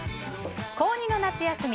高２の夏休み